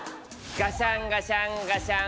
ガシャンガシャンガシャン。